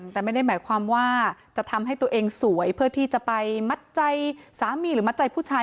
แต่ไม่ได้หมายความว่าจะทำให้ตัวเองสวยเพื่อที่จะไปมัดใจสามีหรือมัดใจผู้ชาย